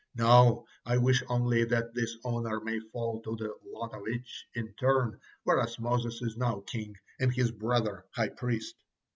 No, I wish only that this honor may fall to the lot of each in turn, whereas Moses is now king, and his brother high priest."